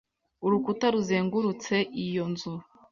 urukuta ruzengurutseiyo nzu